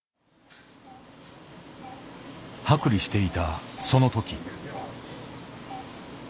剥離していたその時。